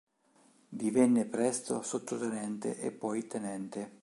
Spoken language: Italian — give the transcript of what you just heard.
Divenne presto sottotenente e poi tenente.